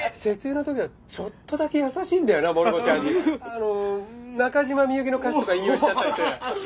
あの中島みゆきの歌詞とか引用しちゃったりさ。